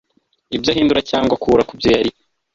ibyo ahindura cyangwa akura ku byo yari